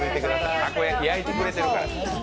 たこ焼き、焼いてくれてるから。